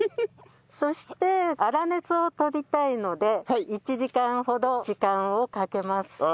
そして粗熱をとりたいので１時間ほど時間をかけます。